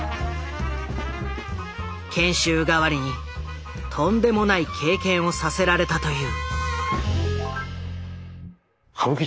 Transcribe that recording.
研修代わりにとんでもない経験をさせられたという。